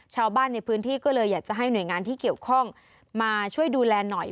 ชาวบ้านในพื้นที่ก็เลยอยากจะให้หน่วยงานที่เกี่ยวข้องมาช่วยดูแลหน่อย